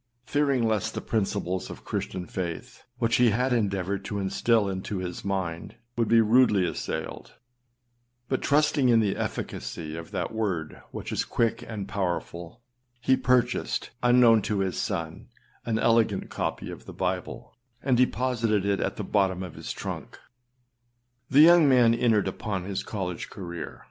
Fearing lest the principles of Christian faith, which he had endeavoured to instill into his mind, would be rudely assailed, but trusting in the efficacy of that word which is quick and powerful, he purchased, unknown to his son, an elegant copy of the Bible, and deposited it at the bottom of his trunk. The young man entered upon his college career.